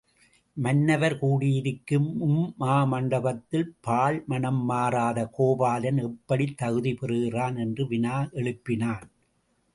மன்னவர் கூடியிருக்கும் இம் மாமண்டபத்தில் பால் மணம் மாறாத கோபாலன் எப்படித் தகுதி பெறுகிறான் என்ற வினா எழுப்பினான்.